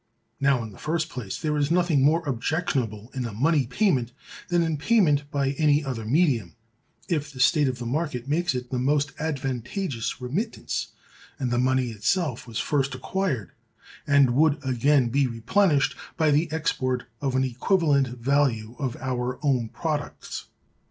Now, in the first place, there is nothing more objectionable in a money payment than in payment by any other medium, if the state of the market makes it the most advantageous remittance; and the money itself was first acquired, and would again be replenished, by the export of an equivalent value of our own products.